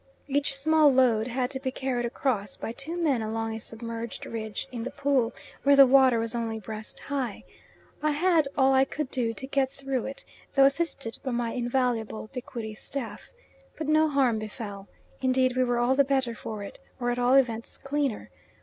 Each small load had to be carried across by two men along a submerged ridge in the pool, where the water was only breast high. I had all I could do to get through it, though assisted by my invaluable Bakwiri staff. But no harm befell. Indeed we were all the better for it, or at all events cleaner.